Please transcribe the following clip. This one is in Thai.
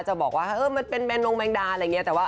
จะบอกว่ามันเป็นแมงนงแมงดาอะไรอย่างนี้